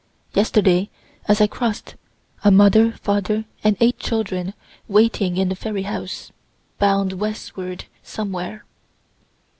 (Yesterday, as I cross'd, a mother, father, and eight children, waiting in the ferry house, bound westward somewhere.)